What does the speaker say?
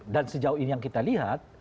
dan sejauh ini yang kita lihat